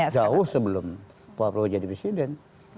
jauh sebelum pak prabowo jadi presiden